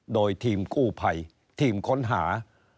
โดยทีมกู้ภัยทีมค้นหา